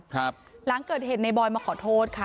หลังเกิดเหตุในบอยมาขอโทษค่ะ